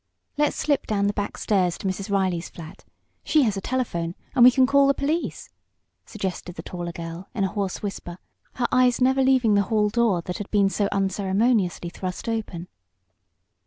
"Let's slip down the back stairs to Mrs. Reilley's flat. She has a telephone, and we can call the police," suggested the taller girl, in a hoarse whisper, her eyes never leaving the hall door that had been so unceremoniously thrust open.